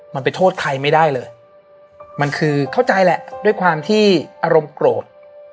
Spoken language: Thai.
มันไปโทษใครไม่ได้เลยมันคือเข้าใจแหละด้วยความที่อารมณ์โกรธ